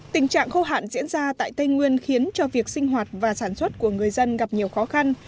tình trạng khô hạn diễn ra tại tây nguyên khiến cho việc sinh hoạt và sản xuất của người dân gặp nhiều khó khăn